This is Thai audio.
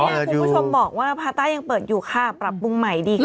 คุณผู้ชมบอกว่าพาต้ายังเปิดอยู่ค่ะปรับปรุงใหม่ดีค่ะ